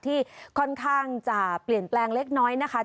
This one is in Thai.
ที่ค่อนข้างจะเปลี่ยนแปลงเล็กน้อยนะคะ